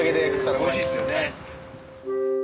おいしいですよね。